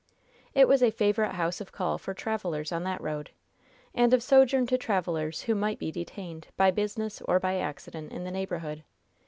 It was a favorite house of call for travelers on that road, and of sojourn to strangers who might be detained by business or by accident in the neighborhood.